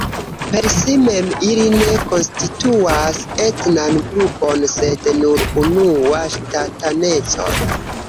Per si mem ili ne konstituas etnan grupon sed nur una ŝtatanecon.